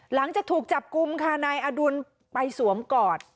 หลังจากถูกจับกลุ่มค่ะนายอดุลไปสวมกอด